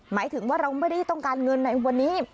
หมายถึงว่าเราไม่ได้ต้องการเงินในวันนี้